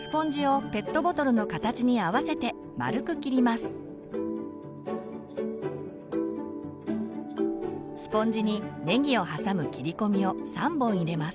スポンジをスポンジにねぎを挟む切り込みを３本入れます。